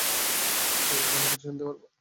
আশাকরি ভালো কিছু জানতে পারব।